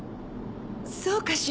そうかしら？